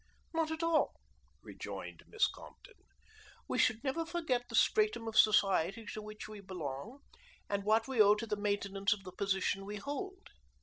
"Not at all," rejoined Miss Compton. "We should never forget the stratum of society to which we belong, and what we owe to the maintenance of the position we hold.